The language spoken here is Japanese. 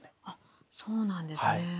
あっそうなんですね。